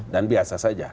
dan biasa saja